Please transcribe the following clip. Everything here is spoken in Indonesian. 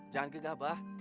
jangan gegah bah